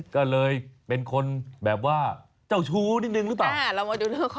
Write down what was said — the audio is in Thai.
ก็เลยเป็นคนแบบว่าเจ้าชู้นิดนึงหรือเปล่า